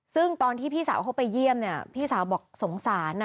ซึ่งตอนที่พี่สาวเขาไปเยี่ยมพี่สาวบอกสงสาร